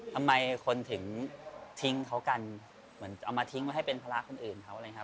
ทำไมคนถึงทิ้งเขากันเอามาทิ้งให้เป็นพละคนอื่น